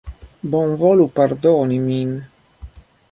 Bonvolu pardoni min!